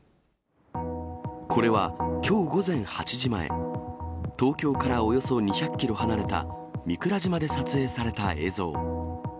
これはきょう午前８時前、東京からおよそ２００キロ離れた御蔵島で撮影された映像。